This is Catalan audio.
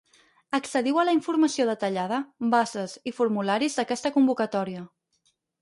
Accediu a la informació detallada, bases i formularis d'aquesta convocatòria.